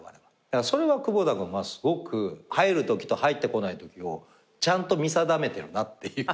だからそれは窪田君はすごく入るときと入ってこないときをちゃんと見定めてるなっていう。